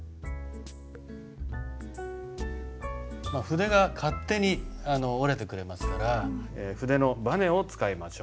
筆が勝手に折れてくれますから筆のばねを使いましょう。